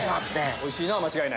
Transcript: おいしいのは間違いない。